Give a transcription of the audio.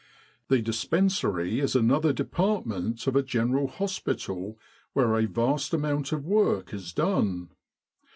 " The Dispensary is another department of a General Hospital where a vast amount of work is done.